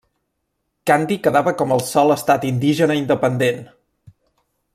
Kandy quedava com el sol estat indígena independent.